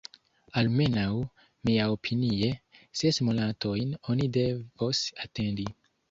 Almenaŭ, miaopinie, ses monatojn oni devos atendi.